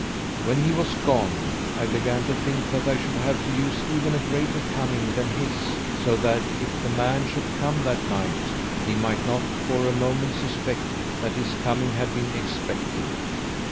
"When he was gone, I began to think that I should have to use even a greater cunning than his so that if the man should come that night, he might not for a moment suspect that his coming had been expected.